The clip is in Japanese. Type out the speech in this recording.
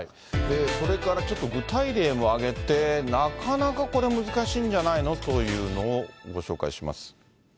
それからちょっと具体例を挙げて、なかなかこれ、難しいんじゃないのというのをご紹介します。